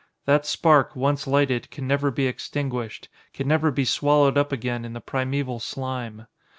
That spark, once lighted, can never be extinguished, can never be swallowed up again in the primeval slime.